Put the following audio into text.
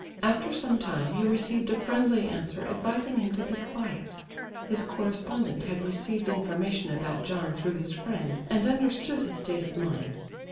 After some time he received a friendly answer advising him to be quiet. His correspondent had received information about John through his friend and understood his state of mind.